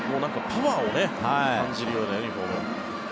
確かに、パワーを感じるようなユニホーム。